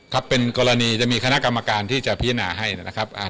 ครับเป็นกรณีจะมีคณะกรรมการที่จะพิจารณาให้นะครับ